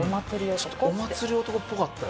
ちょっとお祭り男っぽかったよ。